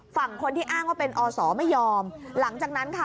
ฝั่งคนที่อ้างว่าเป็นอศไม่ยอมหลังจากนั้นค่ะ